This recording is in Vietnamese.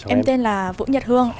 em tên là vũ nhật hương